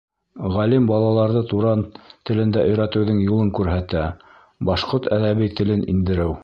Ғалим балаларҙы туран телдә өйрәтеүҙең юлын күрһәтә: башҡорт әҙәби телен индереү.